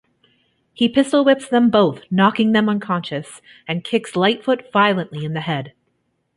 He pistol-whips them both, knocking them unconscious, and kicks Lightfoot violently in the head.